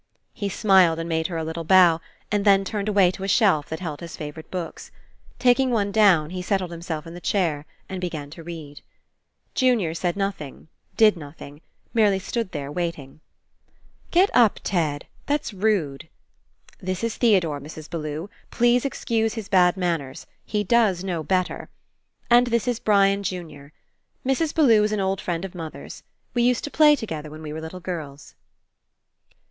He smiled and made her a little bow and then turned away to a shelf that held his favourite books. Taking one down, he settled himself in a chair and began to read. Junior said nothing, did nothing, merely stood there waiting. "Get up, Ted! That's rude. This is Theodore, Mrs. Bellew. Please excuse his bad manners. He does know better. And this is Brian junior. Mrs. Bellew is an old friend of mother's. We used to play together when we were little girls."